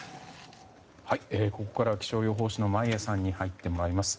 ここからは気象予報士の眞家さんに入ってもらいます。